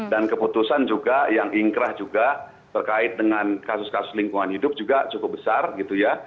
dan keputusan juga yang ingkrah juga terkait dengan kasus kasus lingkungan hidup juga cukup besar gitu ya